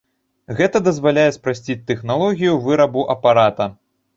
Гэта дазваляе спрасціць тэхналогію вырабу апарата.